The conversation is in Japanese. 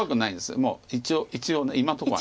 もう一応今のとこは。